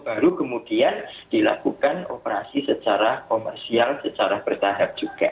baru kemudian dilakukan operasi secara komersial secara bertahap juga